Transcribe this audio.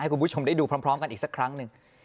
คุณผู้ชมได้ดูพร้อมกันอีกสักครั้งหนึ่ง